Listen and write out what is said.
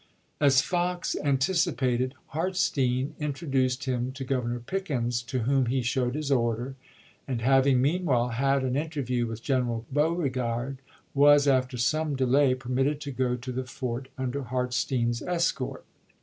As Fox anticipated, Hartstene in " 209. troduced him to Governor Pickens, to whom he showed his order, and, having meanwhile had an interview with General Beauregard, was, after some delay, permitted to go to the fort under Hartstene's escort.